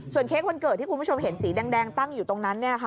เค้กวันเกิดที่คุณผู้ชมเห็นสีแดงตั้งอยู่ตรงนั้น